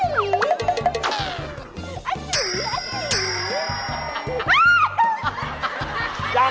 แผนกันนะ